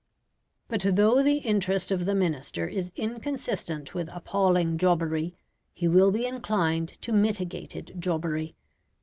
But though the interest of the Minister is inconsistent with appalling jobbery, he will be inclined to mitigated jobbery.